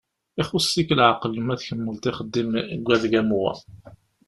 Ixuss-ik leɛqel ma tkemmleḍ ixeddim deg wadeg am wa.